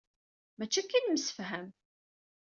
Mačči akka i nemsefham!